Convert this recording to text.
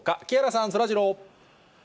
木原さん、そらジロー。